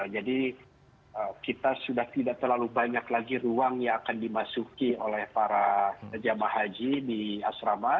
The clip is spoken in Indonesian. jadi kita sudah tidak terlalu banyak lagi ruang yang akan dimasuki oleh para jamaah haji di asrama